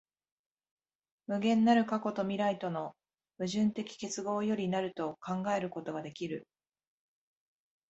無限なる過去と未来との矛盾的結合より成ると考えることができる。